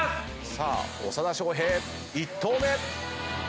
さあ長田庄平１投目。